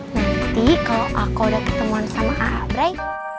nanti kalau aku udah ketemuan sama abrai